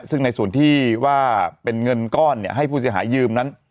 ซึ่งในส่วนที่ว่าเป็นเงินก้อนให้ผู้เสียหายยืมนั้น